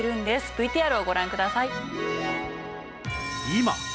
ＶＴＲをご覧ください。